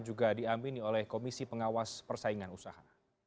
juga diamini oleh komisi pengawas persaingan usaha